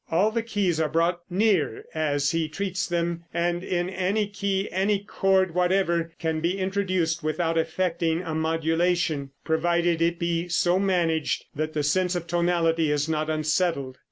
All the keys are brought near, as he treats them, and in any key any chord whatever can be introduced without effecting a modulation, provided it be so managed that the sense of tonality is not unsettled.